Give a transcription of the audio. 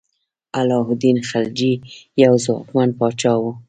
علاء الدین خلجي یو ځواکمن پاچا و.